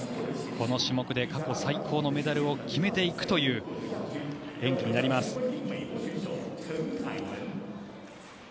この種目で過去最高のメダルを決めていくという演技になります。